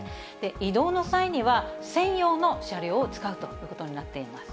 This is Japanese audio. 移動の際には、専用の車両を使うということになっています。